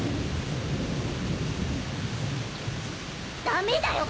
ダメだよ